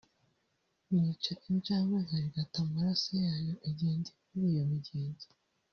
nica injangwe nkarigata amaraso yayo igihe ndi muri iyo migenzo